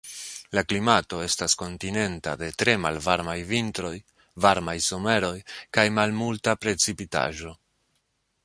La klimato estas kontinenta de tre malvarmaj vintroj, varmaj someroj kaj malmulta precipitaĵo.